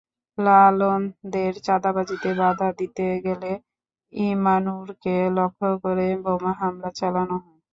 লালনদের চাঁদাবাজিতে বাধা দিতে গেলে ইমানুরকে লক্ষ্য করে বোমা হামলা চালানো হয়।